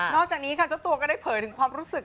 จากนี้ค่ะเจ้าตัวก็ได้เผยถึงความรู้สึก